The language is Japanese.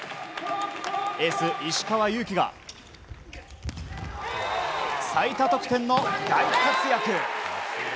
エース、石川祐希が最多得点の大活躍！